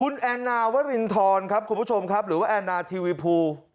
คุณแอนนาวรินทรครับคุณผู้ชมครับหรือว่าแอนนาทีวีภู